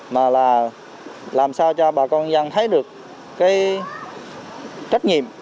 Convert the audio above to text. mà là làm sao cho bà con dân thấy được cái trách nhiệm